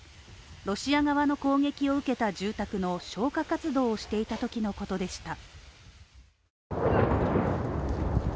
ロシア側の攻撃を受けた住宅の消火活動をしていたときのことでした。